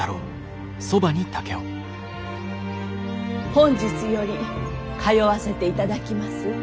本日より通わせていただきます